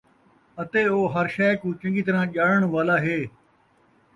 اَتے او ہر شئے کوں چنگی طرح ڄاݨن والا ہے ۔